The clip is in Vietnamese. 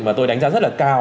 mà tôi đánh giá rất là cao